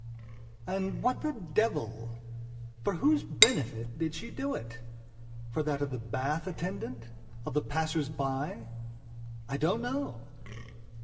And, what the devil! For whose benefit did she do it? For that of the bath attendant? of the passers by? I don't know.